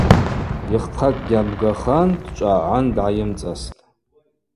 Йыххъакӏгьи абгахан, дчӏвагӏгӏан дгӏайымцӏастӏ.